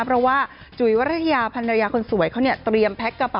เพราะว่าจุ๋ยวรัฐยาพันรยาคนสวยเขาเนี่ยเตรียมแพ็กกระเป๋า